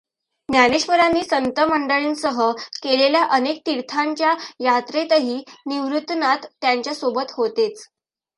ज्ञानेश्वरांनी संतंमंडळींसह केलेल्या अनेक तीर्थांच्या यात्रेतही निवृत्तिनाथ त्यांच्या सोबत होतेच.